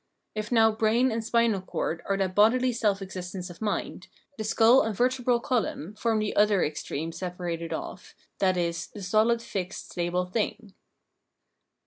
If now brain and spinal cord are that bodily self existence of miad, the' skull and vertebral column form the other extreme separated of!, viz. the sohd fixed stable thing.